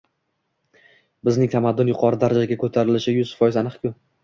bizning tamaddun yuqori darajaga ko‘tarilishi yuz foiz aniq-ku.